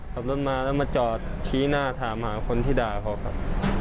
ขับรถมาแล้วมาจอดชี้หน้าถามหาคนที่ด่าเขาครับ